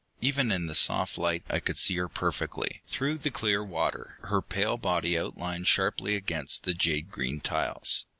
Even in the soft light I could see her perfectly, through the clear water, her pale body outlined sharply against the jade green tiles.